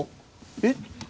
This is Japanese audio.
えっ？